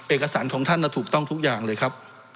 เอกสารของท่านถูกต้องทุกอย่างเลยครับ